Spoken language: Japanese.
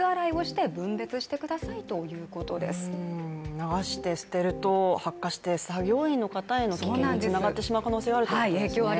流して捨てると、発火して、作業員の方への危険につながってしまう可能性があるということですね。